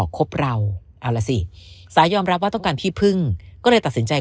คบเราเอาล่ะสิสายอมรับว่าต้องการที่พึ่งก็เลยตัดสินใจ